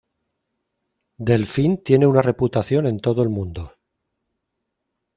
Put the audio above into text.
Delfín tiene una reputación en todo el mundo;.